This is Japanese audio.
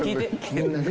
みんなで。